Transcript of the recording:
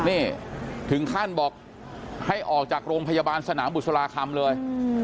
นี่ถึงขั้นบอกให้ออกจากโรงพยาบาลสนามบุษราคำเลย